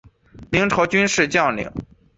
明朝军事将领。